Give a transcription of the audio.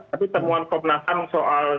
tapi temuan komnas ham soal